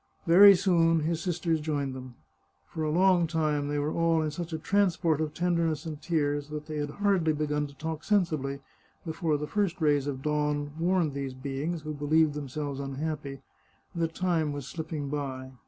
Very soon his sisters joined them. For a long time they were all in such a transport of tenderness and tears, that they had hardly begun to talk sensibly before the first rays of dawn warned these beings, who believed themselves unhappy, that time was slipping by.